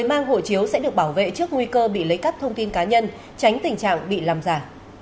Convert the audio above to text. mang hộ chiếu sẽ được bảo vệ trước nguy cơ bị lấy cắp thông tin cá nhân tránh tình trạng bị làm giả